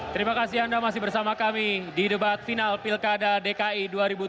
terima kasih anda masih bersama kami di debat final pilkada dki dua ribu tujuh belas